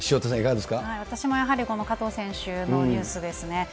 私もやはりこの加藤選手のニュースですね。